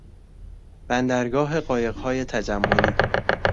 بندرگاه قایقهای تجملی